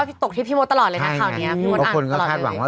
พี่ตกที่พี่โมทตลอดเลยนะข่าวนี้